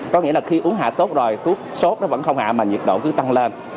có nghĩa là khi uống hạ sốt rồi cúp sốt nó vẫn không hạ mà nhiệt độ cứ tăng lên